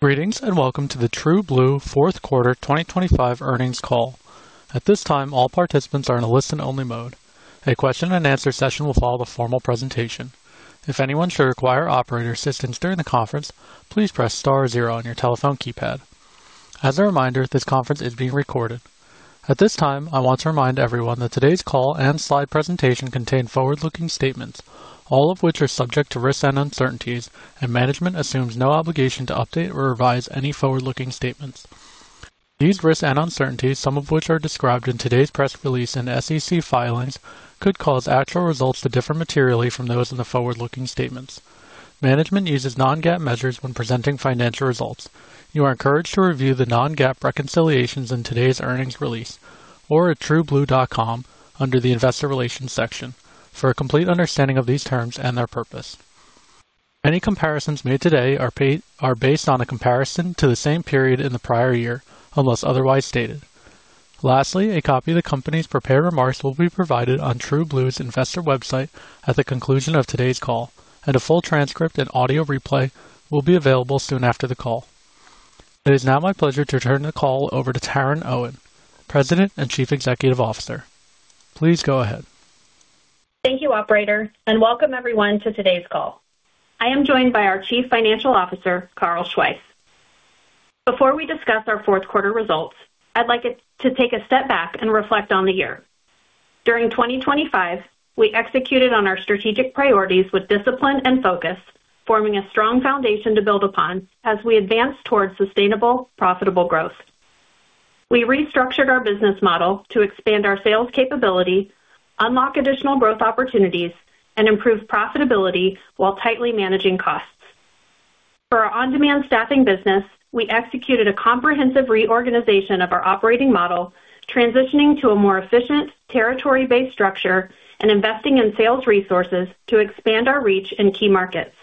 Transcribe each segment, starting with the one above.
Greetings, and welcome to the TrueBlue fourth quarter 2025 earnings call. At this time, all participants are in a listen-only mode. A question-and-answer session will follow the formal presentation. If anyone should require Operator assistance during the conference, please press star zero on your telephone keypad. As a reminder, this conference is being recorded. At this time, I want to remind everyone that today's call and slide presentation contain forward-looking statements, all of which are subject to risks and uncertainties, and management assumes no obligation to update or revise any forward-looking statements. These risks and uncertainties, some of which are described in today's press release and SEC filings, could cause actual results to differ materially from those in the forward-looking statements. Management uses non-GAAP measures when presenting financial results. You are encouraged to review the non-GAAP reconciliations in today's earnings release or at TrueBlue.com under the Investor Relations section for a complete understanding of these terms and their purpose. Any comparisons made today are based on a comparison to the same period in the prior year, unless otherwise stated. Lastly, a copy of the company's prepared remarks will be provided on TrueBlue's investor website at the conclusion of today's call, and a full transcript and audio replay will be available soon after the call. It is now my pleasure to turn the call over to Taryn Owen, President and Chief Executive Officer. Please go ahead. Thank you, operator, and welcome everyone to today's call. I am joined by our Chief Financial Officer, Carl Schweihs. Before we discuss our fourth quarter results, I'd like us to take a step back and reflect on the year. During 2025, we executed on our strategic priorities with discipline and focus, forming a strong foundation to build upon as we advance towards sustainable, profitable growth. We restructured our business model to expand our sales capability, unlock additional growth opportunities, and improve profitability while tightly managing costs. For our on-demand staffing business, we executed a comprehensive reorganization of our operating model, transitioning to a more efficient territory-based structure and investing in sales resources to expand our reach in key markets.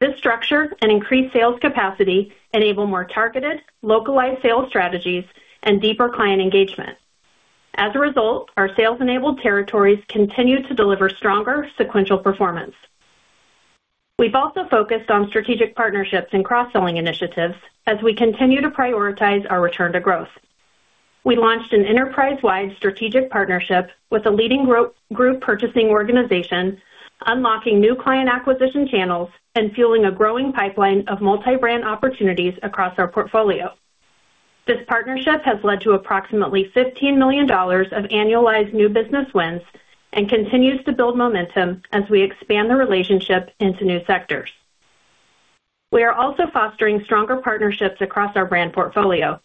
This structure and increased sales capacity enable more targeted, localized sales strategies and deeper client engagement. As a result, our sales-enabled territories continue to deliver stronger sequential performance. We've also focused on strategic partnerships and cross-selling initiatives as we continue to prioritize our return to growth. We launched an enterprise-wide strategic partnership with a leading group purchasing organization, unlocking new client acquisition channels and fueling a growing pipeline of multi-brand opportunities across our portfolio. This partnership has led to approximately $15 million of annualized new business wins and continues to build momentum as we expand the relationship into new sectors. We are also fostering stronger partnerships across our brand portfolio.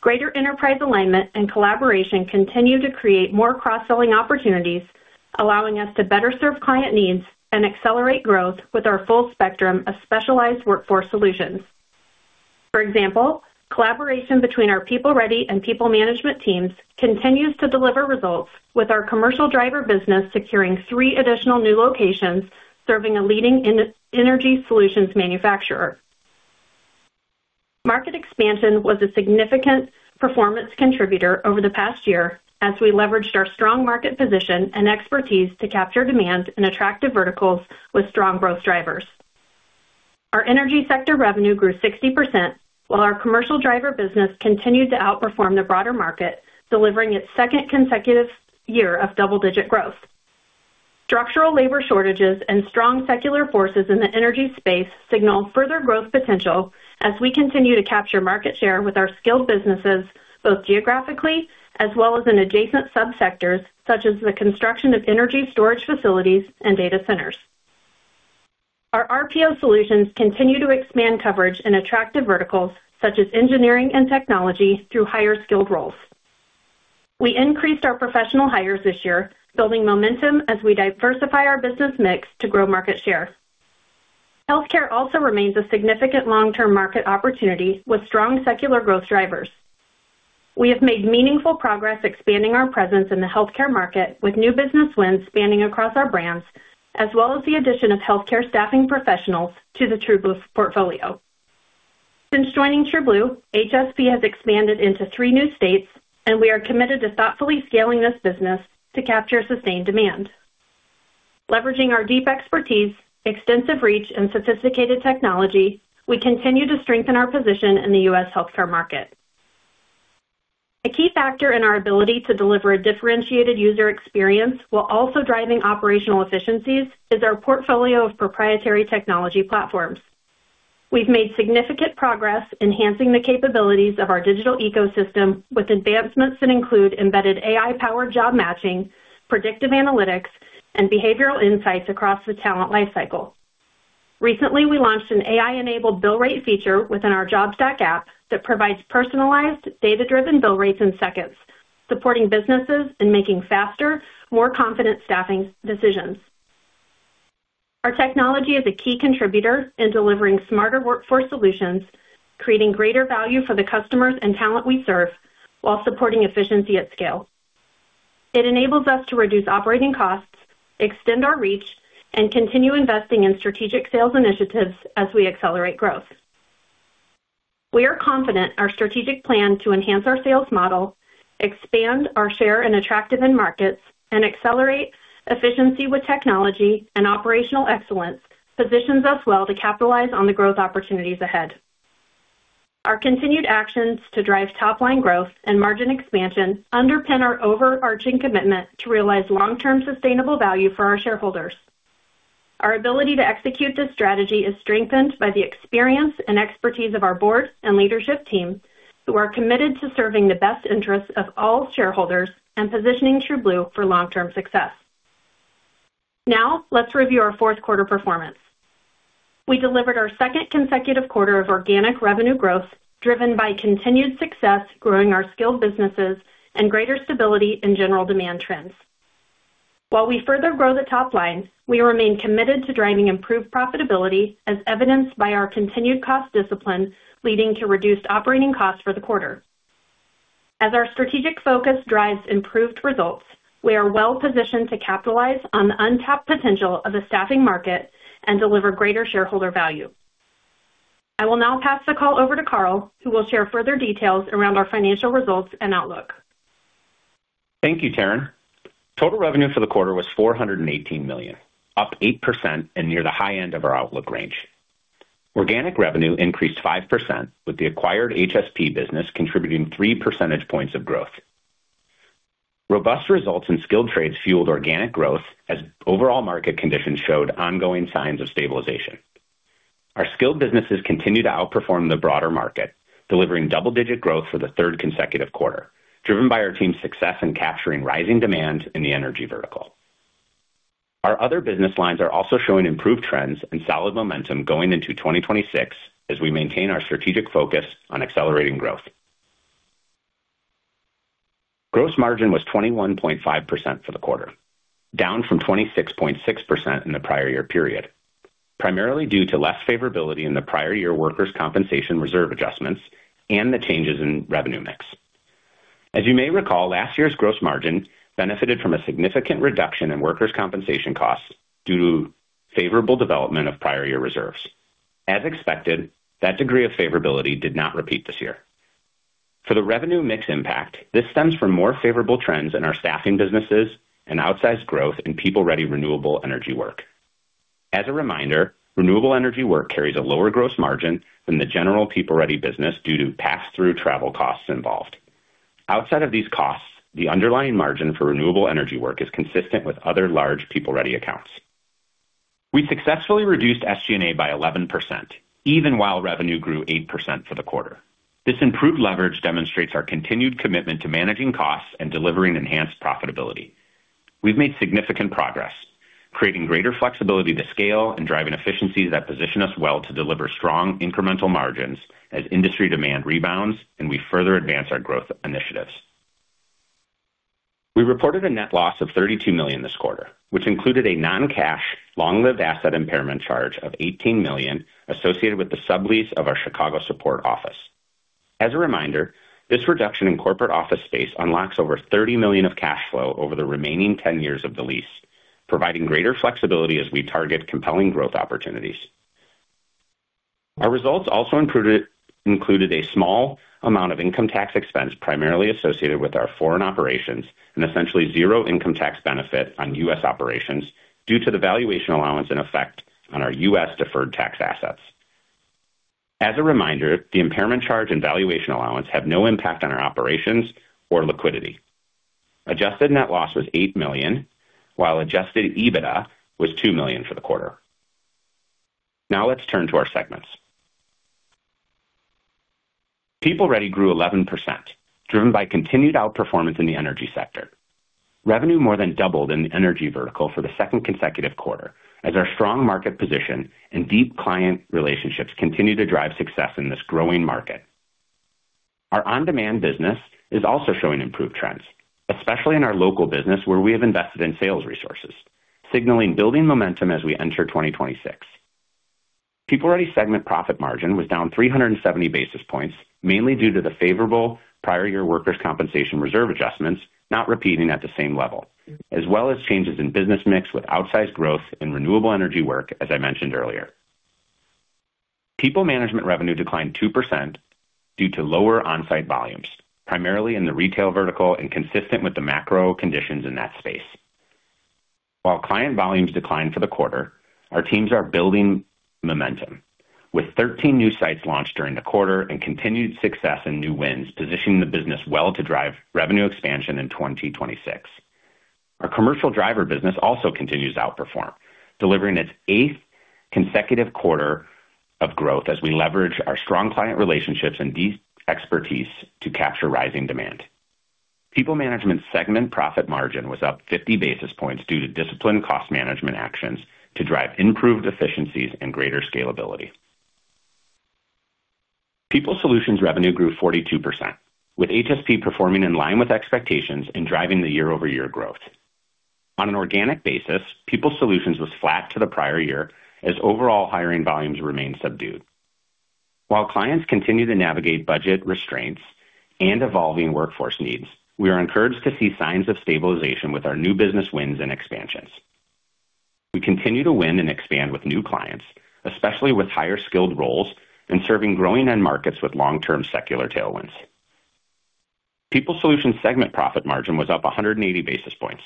Greater enterprise alignment and collaboration continue to create more cross-selling opportunities, allowing us to better serve client needs and accelerate growth with our full spectrum of specialized workforce solutions. For example, collaboration between our PeopleReady and PeopleManagement teams continues to deliver results, with our commercial driver business securing three additional new locations, serving a leading energy solutions manufacturer. Market expansion was a significant performance contributor over the past year as we leveraged our strong market position and expertise to capture demand in attractive verticals with strong growth drivers. Our energy sector revenue grew 60%, while our commercial driver business continued to outperform the broader market, delivering its second consecutive year of double-digit growth. Structural labor shortages and strong secular forces in the energy space signal further growth potential as we continue to capture market share with our skilled businesses, both geographically as well as in adjacent subsectors, such as the construction of energy storage facilities and data centers. Our RPO solutions continue to expand coverage in attractive verticals, such as engineering and technology, through higher-skilled roles. We increased our professional hires this year, building momentum as we diversify our business mix to grow market share. Healthcare also remains a significant long-term market opportunity with strong secular growth drivers. We have made meaningful progress expanding our presence in the healthcare market, with new business wins spanning across our brands, as well as the addition of Healthcare Staffing Professionals to the TrueBlue portfolio. Since joining TrueBlue, HSP has expanded into three new states, and we are committed to thoughtfully scaling this business to capture sustained demand. Leveraging our deep expertise, extensive reach, and sophisticated technology, we continue to strengthen our position in the U.S. healthcare market. A key factor in our ability to deliver a differentiated user experience while also driving operational efficiencies is our portfolio of proprietary technology platforms. We've made significant progress enhancing the capabilities of our digital ecosystem with advancements that include embedded AI-powered job matching, predictive analytics, and behavioral insights across the talent lifecycle. Recently, we launched an AI-enabled bill rate feature within our JobStack app that provides personalized, data-driven bill rates in seconds, supporting businesses in making faster, more confident staffing decisions. Our technology is a key contributor in delivering smarter workforce solutions, creating greater value for the customers and talent we serve, while supporting efficiency at scale. It enables us to reduce operating costs, extend our reach, and continue investing in strategic sales initiatives as we accelerate growth.... We are confident our strategic plan to enhance our sales model, expand our share in attractive end markets, and accelerate efficiency with technology and operational excellence, positions us well to capitalize on the growth opportunities ahead. Our continued actions to drive top-line growth and margin expansion underpin our overarching commitment to realize long-term sustainable value for our shareholders. Our ability to execute this strategy is strengthened by the experience and expertise of our Board and leadership team, who are committed to serving the best interests of all shareholders and positioning TrueBlue for long-term success. Now, let's review our fourth quarter performance. We delivered our second consecutive quarter of organic revenue growth, driven by continued success growing our skilled businesses and greater stability in general demand trends. While we further grow the top line, we remain committed to driving improved profitability, as evidenced by our continued cost discipline, leading to reduced operating costs for the quarter. As our strategic focus drives improved results, we are well positioned to capitalize on the untapped potential of the staffing market and deliver greater shareholder value. I will now pass the call over to Carl, who will share further details around our financial results and outlook. Thank you, Taryn. Total revenue for the quarter was $418 million, up 8% and near the high end of our outlook range. Organic revenue increased 5%, with the acquired HSP business contributing three percentage points of growth. Robust results in skilled trades fueled organic growth as overall market conditions showed ongoing signs of stabilization. Our skilled businesses continue to outperform the broader market, delivering double-digit growth for the third consecutive quarter, driven by our team's success in capturing rising demand in the energy vertical. Our other business lines are also showing improved trends and solid momentum going into 2026 as we maintain our strategic focus on accelerating growth. Gross margin was 21.5% for the quarter, down from 26.6% in the prior year period, primarily due to less favorability in the prior year workers' compensation reserve adjustments and the changes in revenue mix. As you may recall, last year's gross margin benefited from a significant reduction in workers' compensation costs due to favorable development of prior year reserves. As expected, that degree of favorability did not repeat this year. For the revenue mix impact, this stems from more favorable trends in our staffing businesses and outsized growth in PeopleReady renewable energy work. As a reminder, renewable energy work carries a lower gross margin than the general PeopleReady business due to pass-through travel costs involved. Outside of these costs, the underlying margin for renewable energy work is consistent with other large PeopleReady accounts. We successfully reduced SG&A by 11%, even while revenue grew 8% for the quarter. This improved leverage demonstrates our continued commitment to managing costs and delivering enhanced profitability. We've made significant progress, creating greater flexibility to scale and driving efficiencies that position us well to deliver strong incremental margins as industry demand rebounds and we further advance our growth initiatives. We reported a net loss of $32 million this quarter, which included a non-cash, long-lived asset impairment charge of $18 million associated with the sublease of our Chicago support office. As a reminder, this reduction in corporate office space unlocks over $30 million of cash flow over the remaining 10 years of the lease, providing greater flexibility as we target compelling growth opportunities. Our results also included a small amount of income tax expense, primarily associated with our foreign operations, and essentially zero income tax benefit on U.S. operations due to the valuation allowance in effect on our U.S. deferred tax assets. As a reminder, the impairment charge and valuation allowance have no impact on our operations or liquidity. Adjusted net loss was $8 million, while adjusted EBITDA was $2 million for the quarter. Now let's turn to our segments. PeopleReady grew 11%, driven by continued outperformance in the energy sector. Revenue more than doubled in the energy vertical for the second consecutive quarter, as our strong market position and deep client relationships continue to drive success in this growing market. Our on-demand business is also showing improved trends, especially in our local business, where we have invested in sales resources, signaling building momentum as we enter 2026. PeopleReady segment profit margin was down 370 basis points, mainly due to the favorable prior year workers' compensation reserve adjustments not repeating at the same level, as well as changes in business mix with outsized growth in renewable energy work, as I mentioned earlier. PeopleManagement revenue declined 2% due to lower on-site volumes, primarily in the retail vertical and consistent with the macro conditions in that space. While client volumes declined for the quarter, our teams are building momentum, with 13 new sites launched during the quarter and continued success in new wins, positioning the business well to drive revenue expansion in 2026. Our commercial driver business also continues to outperform, delivering its eighth consecutive quarter of growth as we leverage our strong client relationships and deep expertise to capture rising demand. PeopleManagement segment profit margin was up 50 basis points due to disciplined cost management actions to drive improved efficiencies and greater scalability. People Solutions revenue grew 42%, with HSP performing in line with expectations and driving the year-over-year growth. On an organic basis, People Solutions was flat to the prior year as overall hiring volumes remained subdued. While clients continue to navigate budget restraints and evolving workforce needs, we are encouraged to see signs of stabilization with our new business wins and expansions... We continue to win and expand with new clients, especially with higher skilled roles and serving growing end markets with long-term secular tailwinds. People Solutions segment profit margin was up 180 basis points,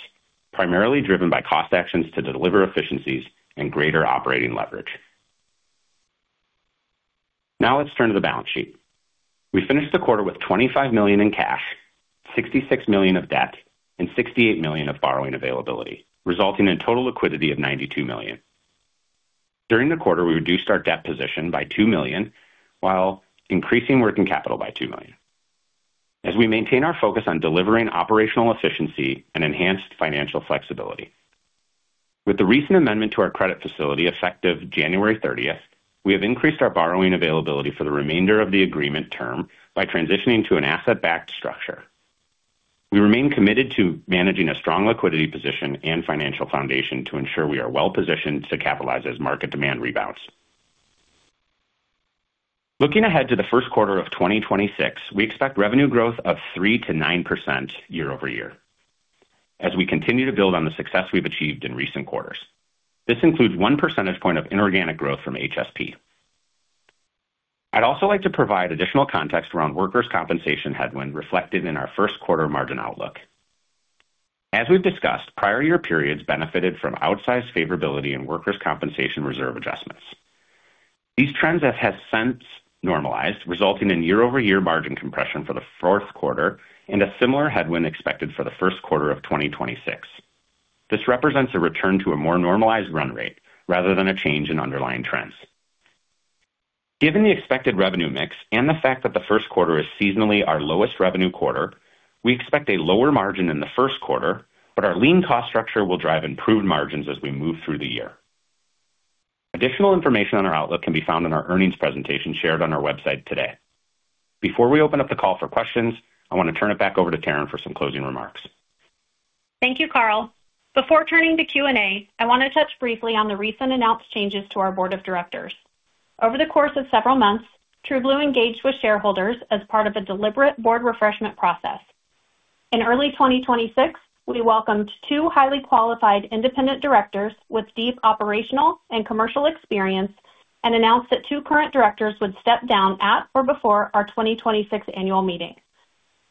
primarily driven by cost actions to deliver efficiencies and greater operating leverage. Now let's turn to the balance sheet. We finished the quarter with $25 million in cash, $66 million of debt, and $68 million of borrowing availability, resulting in total liquidity of $92 million. During the quarter, we reduced our debt position by $2 million, while increasing working capital by $2 million. As we maintain our focus on delivering operational efficiency and enhanced financial flexibility. With the recent amendment to our credit facility, effective January thirtieth, we have increased our borrowing availability for the remainder of the agreement term by transitioning to an asset-backed structure. We remain committed to managing a strong liquidity position and financial foundation to ensure we are well-positioned to capitalize as market demand rebounds. Looking ahead to the first quarter of 2026, we expect revenue growth of 3%-9% year-over-year, as we continue to build on the success we've achieved in recent quarters. This includes one percentage point of inorganic growth from HSP. I'd also like to provide additional context around workers' compensation headwind reflected in our first quarter margin outlook. As we've discussed, prior year periods benefited from outsized favorability in workers' compensation reserve adjustments. These trends have had since normalized, resulting in year-over-year margin compression for the fourth quarter and a similar headwind expected for the first quarter of 2026. This represents a return to a more normalized run rate rather than a change in underlying trends. Given the expected revenue mix and the fact that the first quarter is seasonally our lowest revenue quarter, we expect a lower margin in the first quarter, but our lean cost structure will drive improved margins as we move through the year. Additional information on our outlook can be found in our earnings presentation shared on our website today. Before we open up the call for questions, I want to turn it back over to Taryn for some closing remarks. Thank you, Carl. Before turning to Q&A, I want to touch briefly on the recently announced changes to our Board of Directors. Over the course of several months, TrueBlue engaged with shareholders as part of a deliberate Board refreshment process. In early 2026, we welcomed two highly qualified independent directors with deep operational and commercial experience and announced that two current directors would step down at or before our 2026 annual meeting.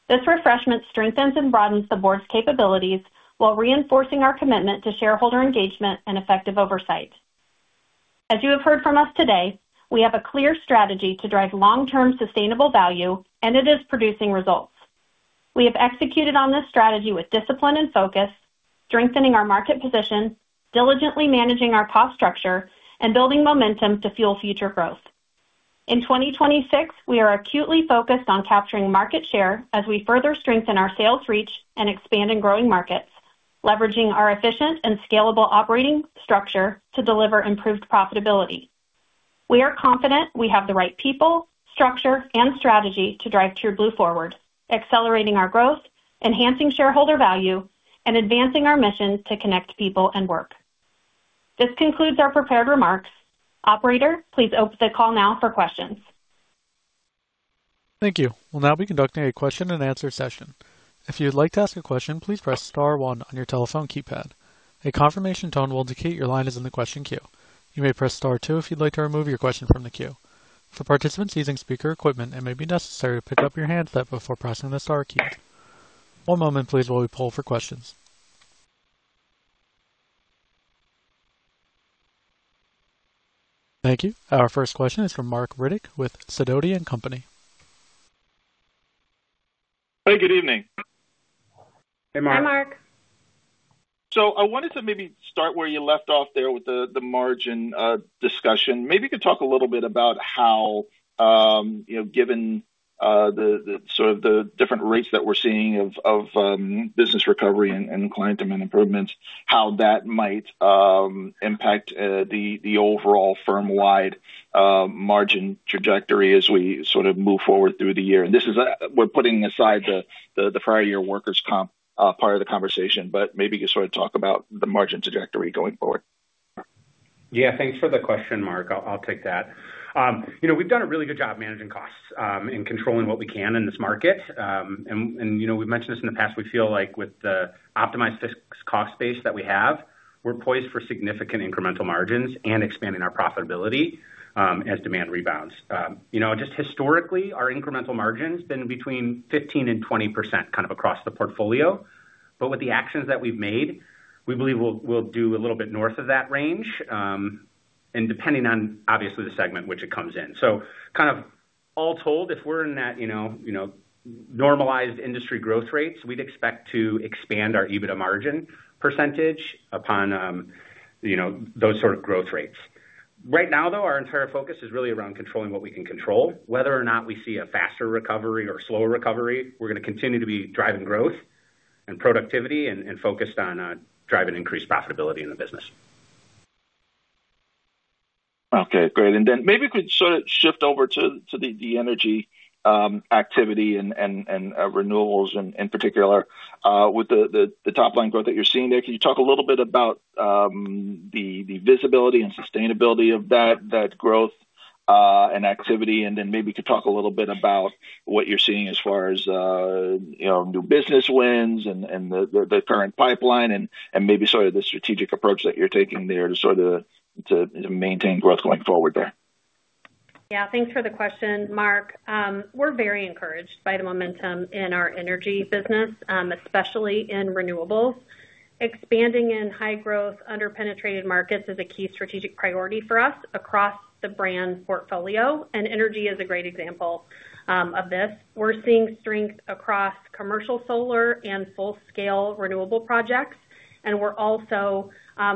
This refreshment strengthens and broadens the Board's capabilities while reinforcing our commitment to shareholder engagement and effective oversight. As you have heard from us today, we have a clear strategy to drive long-term sustainable value, and it is producing results. We have executed on this strategy with discipline and focus, strengthening our market position, diligently managing our cost structure, and building momentum to fuel future growth. In 2026, we are acutely focused on capturing market share as we further strengthen our sales reach and expand in growing markets, leveraging our efficient and scalable operating structure to deliver improved profitability. We are confident we have the right people, structure, and strategy to drive TrueBlue forward, accelerating our growth, enhancing shareholder value, and advancing our mission to connect people and work. This concludes our prepared remarks. Operator, please open the call now for questions. Thank you. We'll now be conducting a question-and-answer session. If you'd like to ask a question, please press star one on your telephone keypad. A confirmation tone will indicate your line is in the question queue. You may press star two if you'd like to remove your question from the queue. For participants using speaker equipment, it may be necessary to pick up your handset before pressing the star key. One moment, please, while we pull for questions. Thank you. Our first question is from Marc Riddick with Sidoti & Company. Hey, good evening. Hey, Marc. Hi, Marc. So I wanted to maybe start where you left off there with the margin discussion. Maybe you could talk a little bit about how you know, given the sort of different rates that we're seeing of business recovery and client demand improvements, how that might impact the overall firm-wide margin trajectory as we sort of move forward through the year. And this is. We're putting aside the prior year workers' comp part of the conversation, but maybe you sort of talk about the margin trajectory going forward. Yeah, thanks for the question, Marc. I'll take that. You know, we've done a really good job managing costs and controlling what we can in this market. And, you know, we've mentioned this in the past, we feel like with the optimized cost base that we have, we're poised for significant incremental margins and expanding our profitability as demand rebounds. You know, just historically, our incremental margin's been between 15%-20%, kind of across the portfolio. But with the actions that we've made, we believe we'll do a little bit north of that range and depending on, obviously, the segment which it comes in. So kind of all told, if we're in that, you know, normalized industry growth rates, we'd expect to expand our EBITDA margin percentage upon those sort of growth rates. Right now, though, our entire focus is really around controlling what we can control. Whether or not we see a faster recovery or slower recovery, we're going to continue to be driving growth and productivity and focused on driving increased profitability in the business. Okay, great. And then maybe you could sort of shift over to the energy activity and renewables in particular with the top-line growth that you're seeing there. Can you talk a little bit about the visibility and sustainability of that growth? And activity, and then maybe you could talk a little bit about what you're seeing as far as you know new business wins and the current pipeline and maybe sort of the strategic approach that you're taking there to sort of to maintain growth going forward there. Yeah, thanks for the question, Marc. We're very encouraged by the momentum in our energy business, especially in renewables. Expanding in high growth, under-penetrated markets is a key strategic priority for us across the brand portfolio, and energy is a great example of this. We're seeing strength across commercial solar and full-scale renewable projects, and we're also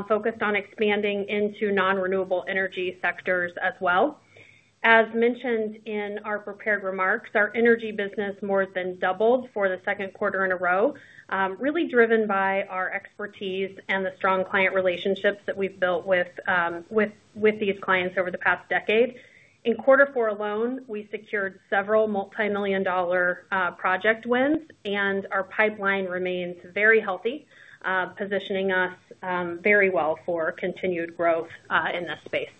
focused on expanding into non-renewable energy sectors as well. As mentioned in our prepared remarks, our energy business more than doubled for the second quarter in a row, really driven by our expertise and the strong client relationships that we've built with these clients over the past decade. In quarter four alone, we secured several multimillion-dollar project wins, and our pipeline remains very healthy, positioning us very well for continued growth in this space.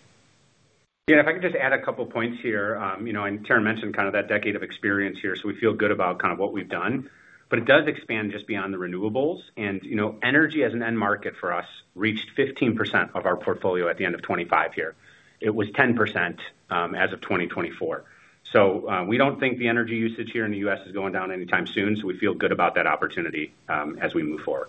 Yeah, if I could just add a couple points here. You know, and Taryn mentioned kind of that decade of experience here, so we feel good about kind of what we've done. But it does expand just beyond the renewables and, you know, energy as an end market for us reached 15% of our portfolio at the end of 2025 year. It was 10%, as of 2024. So, we don't think the energy usage here in the U.S. is going down anytime soon, so we feel good about that opportunity, as we move forward.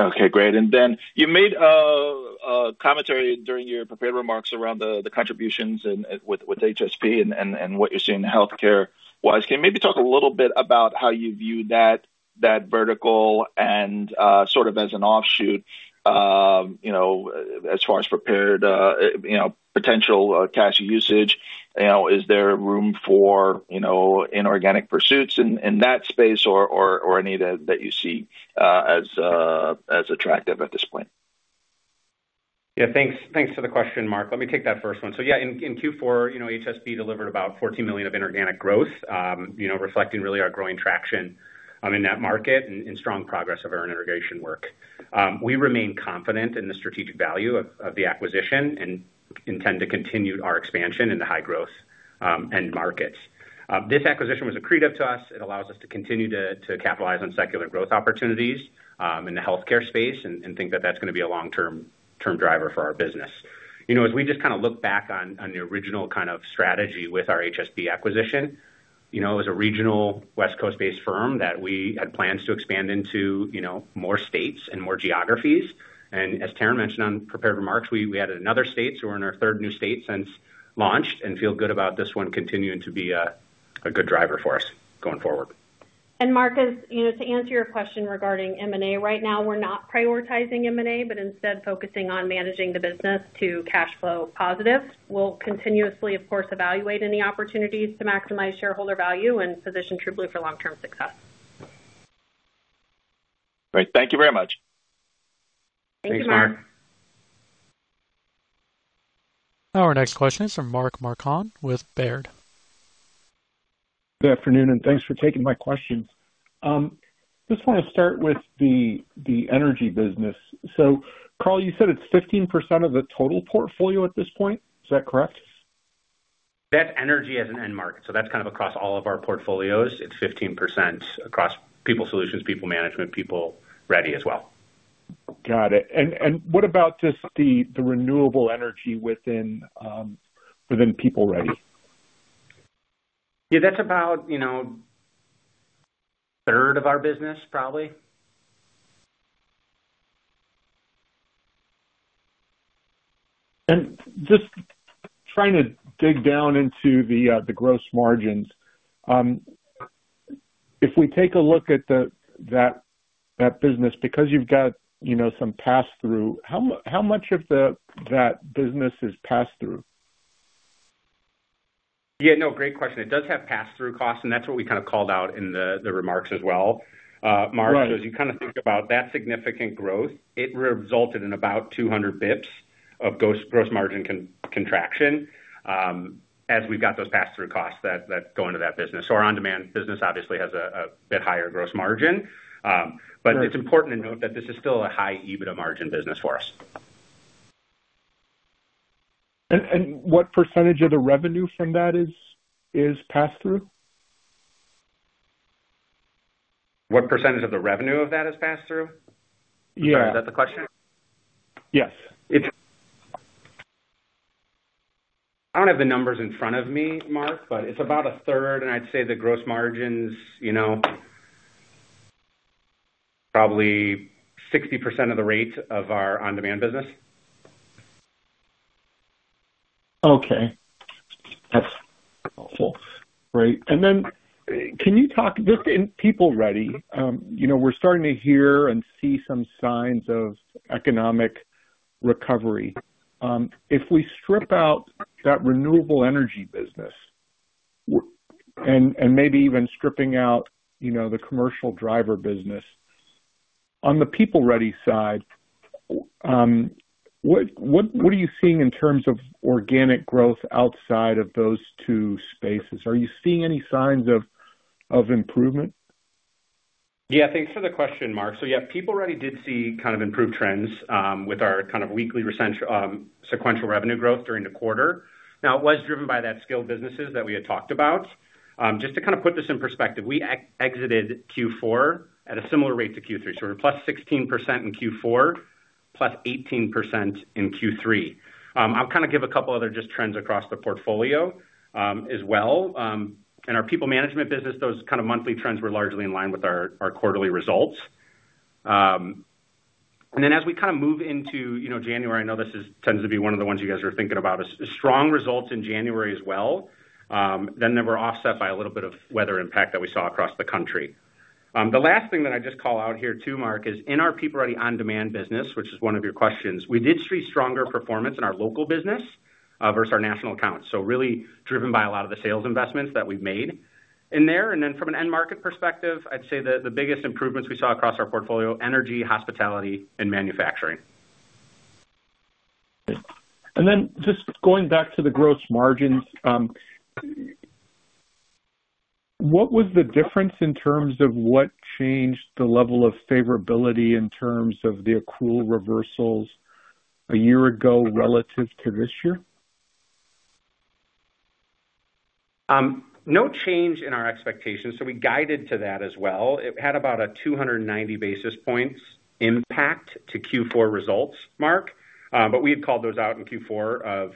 Okay, great. And then you made a commentary during your prepared remarks around the contributions and with HSP and what you're seeing healthcare-wise. Can you maybe talk a little bit about how you view that vertical and sort of as an offshoot, you know, as far as prepared, you know, potential, cash usage, you know, is there room for, you know, inorganic pursuits in that space or any that you see as attractive at this point? Yeah, thanks. Thanks for the question, Marc. Let me take that first one. So, yeah, in Q4, you know, HSP delivered about $14 million of inorganic growth, you know, reflecting really our growing traction in that market and strong progress of our integration work. We remain confident in the strategic value of the acquisition and intend to continue our expansion into high growth end markets. This acquisition was accretive to us. It allows us to continue to capitalize on secular growth opportunities in the healthcare space and think that that's going to be a long-term driver for our business. You know, as we just kind of look back on the original kind of strategy with our HSP acquisition, you know, it was a regional West Coast-based firm that we had plans to expand into, you know, more states and more geographies. As Taryn mentioned on prepared remarks, we added another state, so we're in our third new state since launched and feel good about this one continuing to be a good driver for us going forward. Marc, as you know, to answer your question regarding M&A, right now, we're not prioritizing M&A, but instead focusing on managing the business to cash flow positive. We'll continuously, of course, evaluate any opportunities to maximize shareholder value and position TrueBlue for long-term success. Great. Thank you very much. Thanks, Marc. Thank you, Marc. Our next question is from Mark Marcon with Baird. Good afternoon, and thanks for taking my questions. Just want to start with the, the energy business. So Carl, you said it's 15% of the total portfolio at this point? Is that correct? That's energy as an end market, so that's kind of across all of our portfolios. It's 15% across PeopleScout, PeopleManagement, PeopleReady as well. Got it. And what about just the renewable energy within PeopleReady? Yeah, that's about, you know, a third of our business, probably. Just trying to dig down into the gross margins. If we take a look at that business, because you've got, you know, some pass-through, how much of that business is pass-through? Yeah, no, great question. It does have pass-through costs, and that's what we kind of called out in the remarks as well, Mark. Right. As you kind of think about that significant growth, it resulted in about 200 basis points of gross margin contraction, as we've got those pass-through costs that go into that business. So our on-demand business obviously has a bit higher gross margin. Right. But it's important to note that this is still a high EBITDA margin business for us. What percentage of the revenue from that is pass-through? What percentage of the revenue of that is pass-through? Yeah. Is that the question? Yes, it's- I don't have the numbers in front of me, Mark, but it's about a third, and I'd say the gross margins, you know, probably 60% of the rate of our on-demand business. Okay. That's helpful. Great. And then can you talk just in PeopleReady, you know, we're starting to hear and see some signs of economic recovery. If we strip out that renewable energy business and maybe even stripping out, you know, the commercial driver business, on the PeopleReady side, what are you seeing in terms of organic growth outside of those two spaces? Are you seeing any signs of improvement?... Yeah, thanks for the question, Mark. So yeah, PeopleReady did see kind of improved trends with our kind of weekly recent sequential revenue growth during the quarter. Now, it was driven by that skilled businesses that we had talked about. Just to kind of put this in perspective, we exited Q4 at a similar rate to Q3, so we're +16% in Q4, +18% in Q3. I'll kind of give a couple other just trends across the portfolio as well. In our PeopleManagement business, those kind of monthly trends were largely in line with our quarterly results. And then as we kind of move into, you know, January, I know this tends to be one of the ones you guys are thinking about: strong results in January as well. Then they were offset by a little bit of weather impact that we saw across the country. The last thing that I just call out here too, Mark, is in our PeopleReady On-Demand business, which is one of your questions, we did see stronger performance in our local business versus our national accounts. So really driven by a lot of the sales investments that we've made in there. And then from an end market perspective, I'd say the biggest improvements we saw across our portfolio: energy, hospitality, and manufacturing. Then just going back to the gross margins, what was the difference in terms of what changed the level of favorability in terms of the accrual reversals a year ago relative to this year? No change in our expectations, so we guided to that as well. It had about a 290 basis points impact to Q4 results, Mark, but we had called those out in Q4 of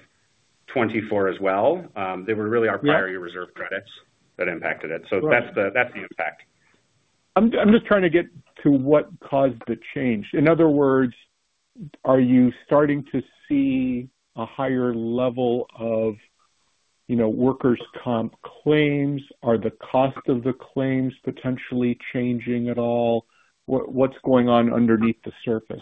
2024 as well. They were really our- Yeah. prior year reserve credits that impacted it. Right. That's the, that's the impact. I'm just trying to get to what caused the change. In other words, are you starting to see a higher level of, you know, workers' comp claims? Are the cost of the claims potentially changing at all? What's going on underneath the surface?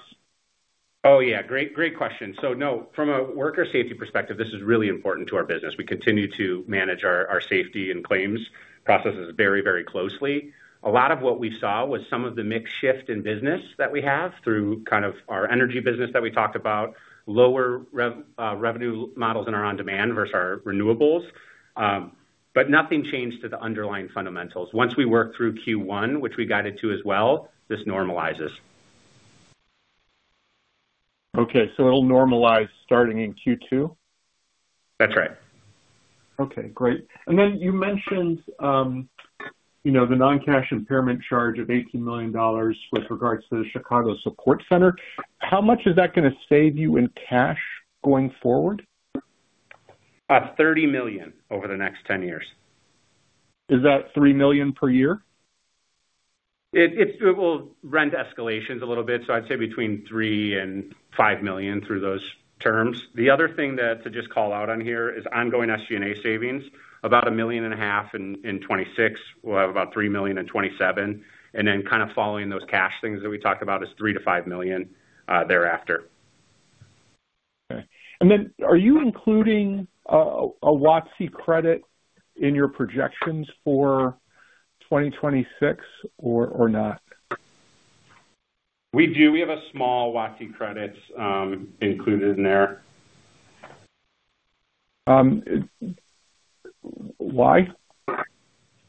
Oh, yeah. Great, great question. So no, from a worker safety perspective, this is really important to our business. We continue to manage our safety and claims processes very, very closely. A lot of what we saw was some of the mix shift in business that we have through kind of our energy business that we talked about, lower rev, revenue models in our On-Demand versus our renewables. But nothing changed to the underlying fundamentals. Once we work through Q1, which we guided to as well, this normalizes. Okay, so it'll normalize starting in Q2? That's right. Okay, great. Then you mentioned, you know, the non-cash impairment charge of $18 million with regards to the Chicago Support Center. How much is that gonna save you in cash going forward? $30 million over the next 10 years. Is that $3 million per year? It will rent escalations a little bit, so I'd say between $3 million and $5 million through those terms. The other thing that to just call out on here is ongoing SG&A savings, about $1.5 million in 2026. We'll have about $3 million in 2027, and then kind of following those cash things that we talked about is $3 million-$5 million thereafter. Okay. And then are you including a WOTC credit in your projections for 2026 or not? We do. We have a small WOTC credits, included in there. Why?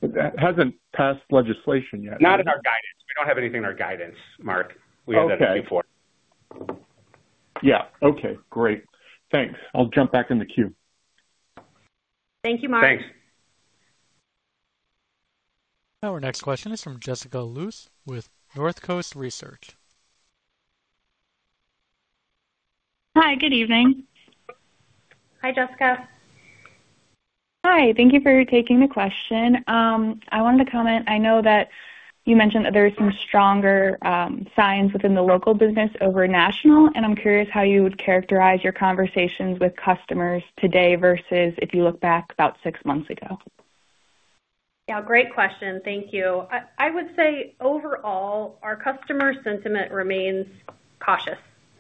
That hasn't passed legislation yet. Not in our guidance. We don't have anything in our guidance, Mark. Okay. We had that before. Yeah. Okay, great. Thanks. I'll jump back in the queue. Thank you, Mark. Thanks. Our next question is from Jessica Loos with North Coast Research. Hi, good evening. Hi, Jessica. Hi, thank you for taking the question. I wanted to comment. I know that you mentioned that there are some stronger signs within the local business over national, and I'm curious how you would characterize your conversations with customers today versus if you look back about six months ago. Yeah, great question. Thank you. I, I would say overall, our customer sentiment remains cautious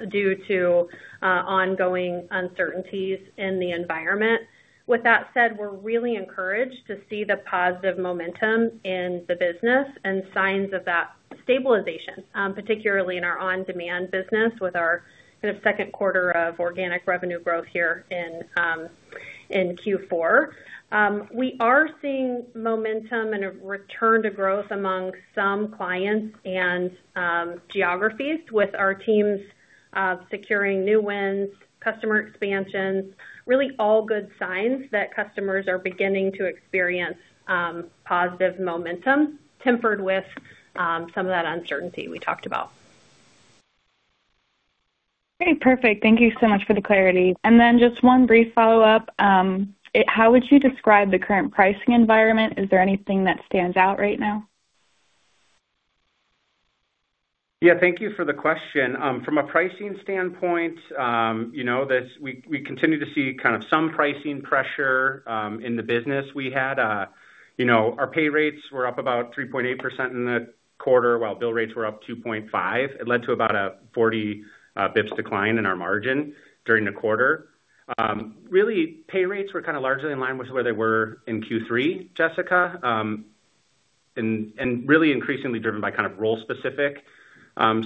due to ongoing uncertainties in the environment. With that said, we're really encouraged to see the positive momentum in the business and signs of that stabilization, particularly in our On-Demand business with our kind of second quarter of organic revenue growth here in, in Q4. We are seeing momentum and a return to growth among some clients and geographies with our teams securing new wins, customer expansions. Really all good signs that customers are beginning to experience positive momentum, tempered with some of that uncertainty we talked about. Okay, perfect. Thank you so much for the clarity. And then just one brief follow-up. How would you describe the current pricing environment? Is there anything that stands out right now? Yeah, thank you for the question. From a pricing standpoint, you know, we continue to see kind of some pricing pressure in the business. We had, you know, our pay rates were up about 3.8% in the quarter, while bill rates were up 2.5. It led to about a 40 basis points decline in our margin during the quarter. Really, pay rates were kind of largely in line with where they were in Q3, Jessica. And really increasingly driven by kind of role-specific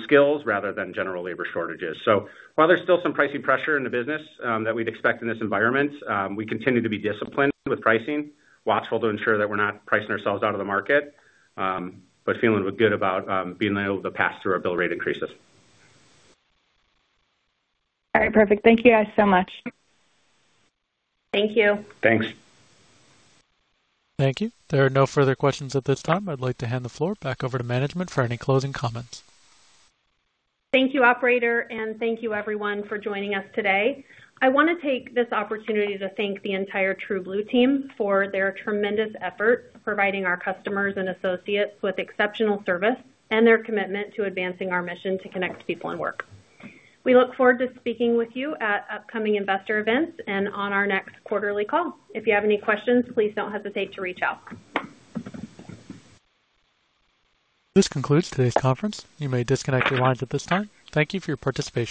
skills rather than general labor shortages. So while there's still some pricing pressure in the business, that we'd expect in this environment, we continue to be disciplined with pricing, watchful to ensure that we're not pricing ourselves out of the market, but feeling good about being able to pass through our bill rate increases. All right, perfect. Thank you guys so much. Thank you. Thanks. Thank you. There are no further questions at this time. I'd like to hand the floor back over to management for any closing comments. Thank you, operator, and thank you everyone for joining us today. I want to take this opportunity to thank the entire TrueBlue team for their tremendous effort, providing our customers and associates with exceptional service and their commitment to advancing our mission to connect people and work. We look forward to speaking with you at upcoming investor events and on our next quarterly call. If you have any questions, please don't hesitate to reach out. This concludes today's conference. You may disconnect your lines at this time. Thank you for your participation.